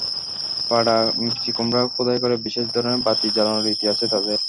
পাকা মিষ্টিকুমড়া খোদাই করে বিশেষ ধরনের বাতি জ্বালানোর রীতি আছে তাদের।